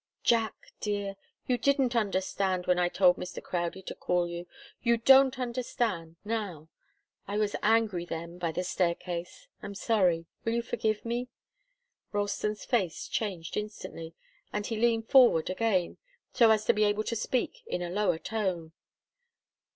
"Jack dear you didn't understand when I told Mr. Crowdie to call you you don't understand now. I was angry then by the staircase. I'm sorry. Will you forgive me?" Ralston's face changed instantly, and he leaned forward again, so as to be able to speak in a lower tone.